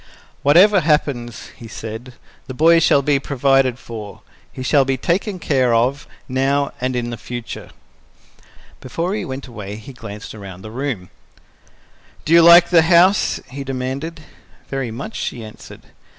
"Whatever happens," he said, "the boy shall be provided for. He shall be taken care of, now and in the future." Before he went away, he glanced around the room. "Do you like the house?" he demanded. "Very much," she answered.